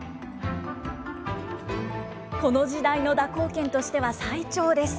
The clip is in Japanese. この時代の蛇行剣としては最長です。